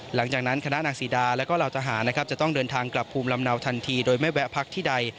หลังจากนั้นคณะนางสีดาและก็เหล่าทหารนะครับจะต้องเดินทางกลับภูมิลำเนาทันทีโดยไม่แวะพักที่ใด